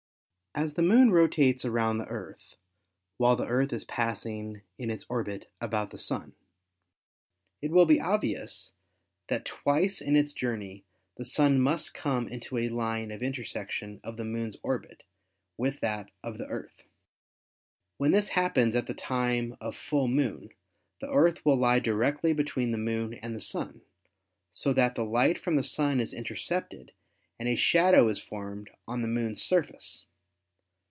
As the Moon rotates around the Earth while the Earth is passing in its orbit about the Sun, it will be obvious that twice in its journey the Sun must come into a line of intersection of the Moon's orbit with that of the Earth. i; 2 ASTRONOMY When this happens at the time of full moon the Earth will lie directly between the Moon and the Sun, so that the light from the Sun is intercepted and a shadow is formed on the Moon's surface.